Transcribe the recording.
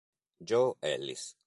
Joe Ellis